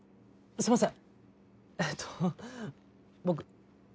「すいません」。